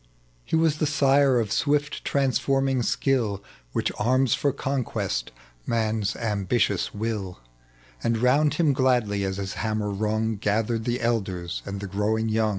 He was the sire of swift transforming sldll, Which arms for conquest man's ambitious wiU ; And round bim gladly, as his hammer rung, Gathered the elders and the growing young